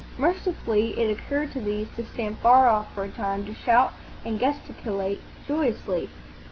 Mercifully, it occurred to these to stand far off for a time, to shout and gesticulate joyously.